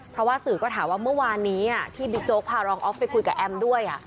เพราะว่าสื่อก็ถามว่าเมื่อวานนี้ที่บิ๊กโจ๊กพารองออฟไปคุยกับแอมด้วย